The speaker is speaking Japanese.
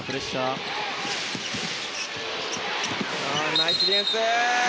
ナイスディフェンス！